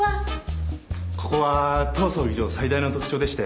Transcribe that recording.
ここは当葬儀場最大の特徴でして。